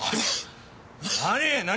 何！